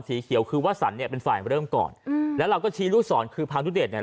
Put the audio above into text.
สีเขียวคือว่าสันเนี่ยเป็นฝ่ายเริ่มก่อนอืมแล้วเราก็ชี้ลูกศรคือพานุเดชเนี่ย